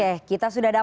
saya ingin mengucapkan